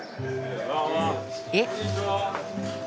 えっ！？